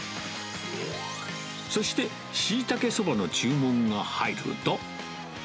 そして、しいたけそばの注文が入ると。